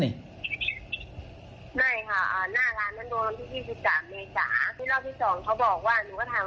ไม่ค่ะหน้าล้านนั้นโดนผู้ชูจิบล้ามไม้จหา